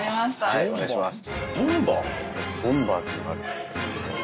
はいお願いします。